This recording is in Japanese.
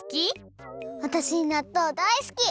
わたしなっとうだいすき！